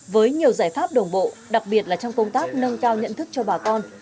với nhiều giải pháp đồng bộ đặc biệt là trong công tác nâng cao nhận thức cho bà con